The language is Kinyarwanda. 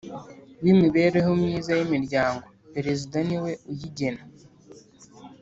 w imibereho myiza y imiryango Perezida niwe uyigena